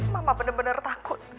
mama bener bener takut